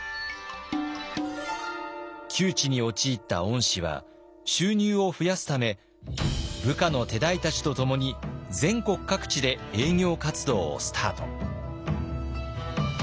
窮地に陥った御師は収入を増やすため部下の手代たちと共に全国各地で営業活動をスタート。